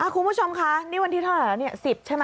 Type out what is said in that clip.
คุณผู้ชมคะวันที่เท่าไหร่แล้วสิบใช่ไหม